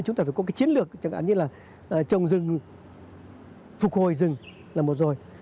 chúng ta phải có cái chiến lược chẳng hạn như là trồng rừng phục hồi rừng là một rồi